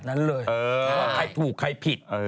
ใช่ใครถูกใครผิด